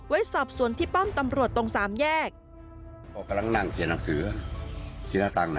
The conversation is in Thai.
ไว้สอบส่วนที่ป้อมตำรวจตรงสามแยก